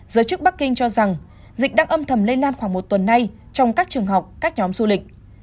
giới chức bắc kinh cho rằng dịch đang âm thầm lây lan khoảng một tuần nay trong các trường học các nhóm du lịch